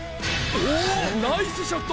おおナイスショット！